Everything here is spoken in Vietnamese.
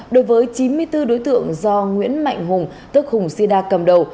đối với chín mươi bốn đối tượng do nguyễn mạnh hùng tức hùng sida cầm đầu